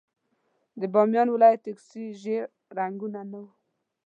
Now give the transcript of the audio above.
د بامیان ولايت ټکسي ژېړ رنګونه نه وو.